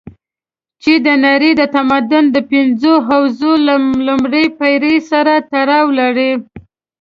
چې د نړۍ د تمدن د پنځو حوزو له لومړي پېر سره تړاو لري.